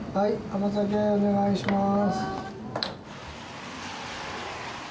甘酒お願いします。